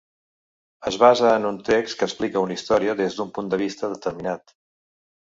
Es basa en un text que explica una història des d'un punt de vista determinat.